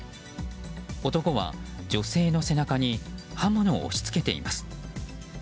男は、女性の背中に刃物を押し付けています。